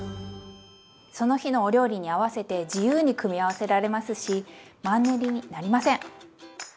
その日のお料理に合わせて自由に組み合わせられますしマンネリになりません！